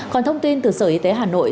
còn thông tin từ sở y tế hà nội